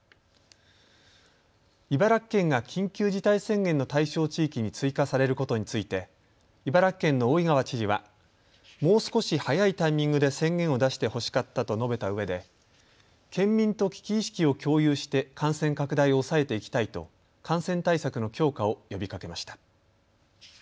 茨城県が緊急事態宣言の対象地域に追加されることについて茨城県の大井川知事はもう少し早いタイミングで宣言を出してほしかったと述べたうえで県民と危機意識を共有して感染拡大を抑えていきたいと感染対策の強化を呼びかけました。